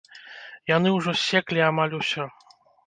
Яны ўжо ссеклі амаль усё.